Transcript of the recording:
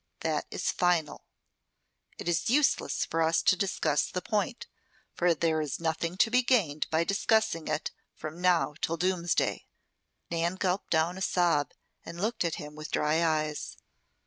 That is final. It is useless for us to discuss the point, for there is nothing to be gained by discussing it from now till Doomsday." Nan gulped down a sob and looked at him with dry eyes.